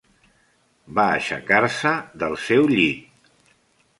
Va aixecar-se del seu llit.